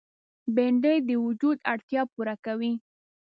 بېنډۍ د وجود اړتیا پوره کوي